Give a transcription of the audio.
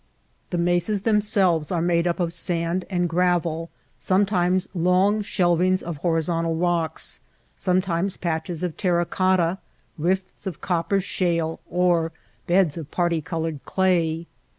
The mesas themselves are made up of sand and gravel, sometimes long shelvings of horizontal rocks, sometimes patches of terra cotta, rifts of copper shale, or beds of parti colored clay.